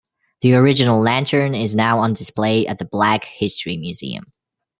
The original lantern is now on display at the Black History Museum.